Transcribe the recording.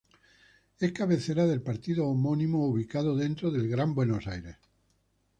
Es cabecera del partido homónimo, ubicado dentro del Gran Buenos Aires.